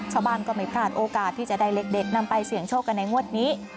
ชาวบ้านก็ไม่พลาดโอกาสที่จะได้เลขเด็ดนำไปเสี่ยงโชคกันในงวดนี้